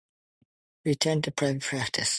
He returned to private practice.